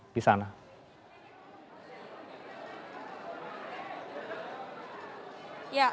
apa saja kegiatan di sana